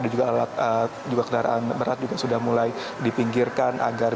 dan juga alat juga kendaraan berat juga sudah mulai beristirahat